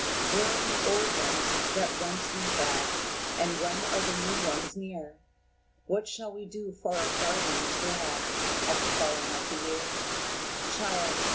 Where are the old ones that once we had, And when are the new ones near? What shall we do for our garlands glad At the falling of the year?" "Child!